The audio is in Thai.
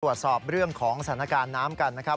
ตรวจสอบเรื่องของสถานการณ์น้ำกันนะครับ